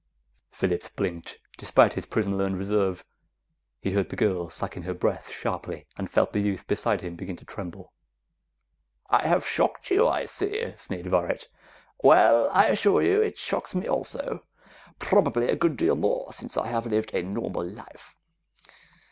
Phillips blinked, despite his prison learned reserve. He heard the girl suck in her breath sharply, and felt the youth beside him begin to tremble. "I have shocked you, I see," sneered Varret. "Well, I assure you, it shocks me also, probably a good deal more since I have lived a normal life.